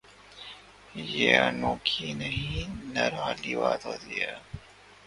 یہ انوکھی نہیں نرالی بات ہوتی۔